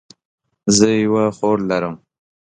زه یوه خور لرم